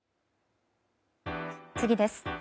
次です。